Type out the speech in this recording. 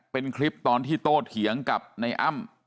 เป็นคลิปตอนที่โตเผียงกับไนนี่อ้อม